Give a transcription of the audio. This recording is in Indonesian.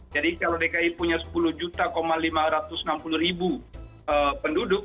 jadi kalau dki punya sepuluh lima ratus enam puluh penduduk